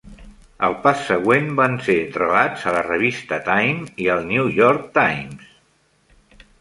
"El pas següent van ser relats a la revista "Time" i al "New York Times"".